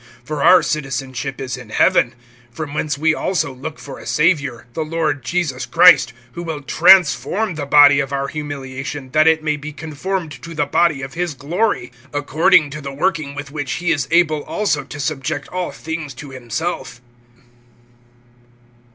(20)For our citizenship[3:20] is in heaven; from whence we also look for a Savior, the Lord Jesus Christ; (21)who will transform the body of our humiliation, that it may be conformed to the body of his glory, according to the working with which he is able also to subject all things to himself.